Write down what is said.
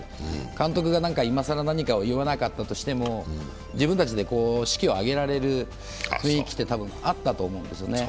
監督が今更何かを言わなかったとしても自分たちで士気を上げられる雰囲気って多分あったと思うんですよね。